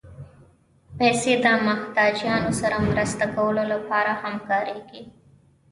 پېسې د محتاجانو سره مرسته کولو لپاره هم کارېږي.